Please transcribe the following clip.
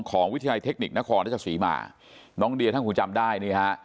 วิทยาลัยเทคนิคนครราชสีมาน้องเดียท่านคงจำได้นี่ฮะ